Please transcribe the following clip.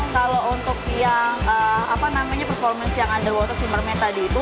kalau untuk yang apa namanya performance yang underwater simmernya tadi itu